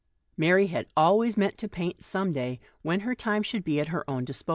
Mary had always meant to paint some day, when her whole time should be at her own disposal.